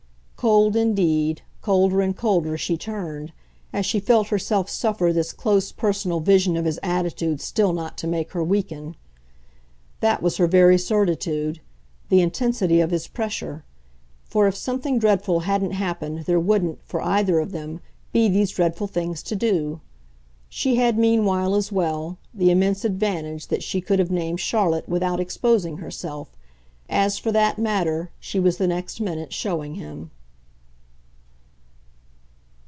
Cold indeed, colder and colder she turned, as she felt herself suffer this close personal vision of his attitude still not to make her weaken. That was her very certitude, the intensity of his pressure; for if something dreadful hadn't happened there wouldn't, for either of them, be these dreadful things to do. She had meanwhile, as well, the immense advantage that she could have named Charlotte without exposing herself as, for that matter, she was the next minute showing him.